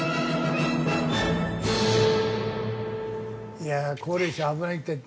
いやあ高齢者危ないったって。